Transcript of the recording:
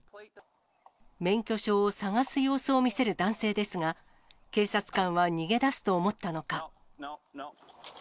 免許証を探す様子を見せる男性ですが、警察官は逃げ出すと思ったのか。